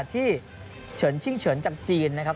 เฉินชิ่งเฉินจากจีนนะครับ